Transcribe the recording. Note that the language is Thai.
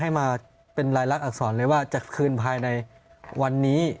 ให้มาเป็นรายลักษณอักษรเลยว่าจะคืนภายในวันนี้